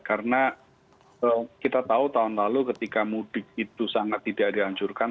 karena kita tahu tahun lalu ketika mudik itu sangat tidak dilancurkan